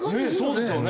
そうですよね。